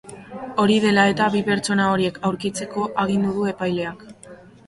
Hori dela eta, bi pertsona horiek aurkitzeko agindu du epaileak.